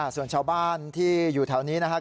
ส่วนชาวบ้านที่อยู่แถวนี้นะครับ